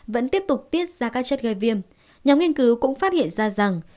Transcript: vẫn tiếp tục tiết ra các chất gây viêm nhóm nghiên cứu cũng phát hiện ra rằng